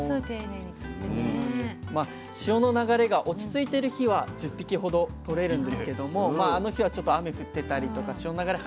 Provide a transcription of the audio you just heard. まあ潮の流れが落ち着いてる日は１０匹ほどとれるんですけどもあの日はちょっと雨降ってたりとか潮の流れ